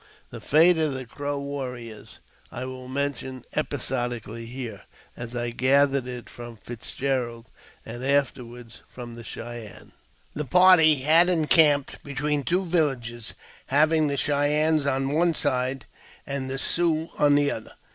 The fate of the Crow warriors I will mention episodically here, as I gathered it from Fitzpatrick, and afterward from the Cheyennes. The party had encamped between two villages, having the Cheyennes on one side and the Siouxs on the other.